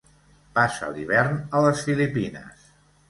Passa l'hivern a les Filipines.